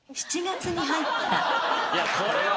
いやこれは。